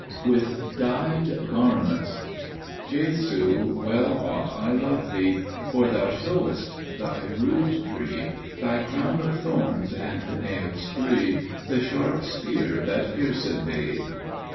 With Dyed Garments "Jesu, well ought I love Thee, For Thou me shewest Thy rood tree, Thy crown of thorns, and nails three, The sharp spear that piercéd Thee."